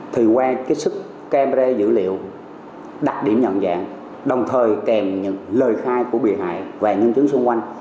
thì qua cái sức camera dữ liệu đặc điểm nhận dạng đồng thời kèm những lời khai của bị hại về nhân chứng xung quanh